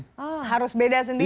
oh harus beda sendiri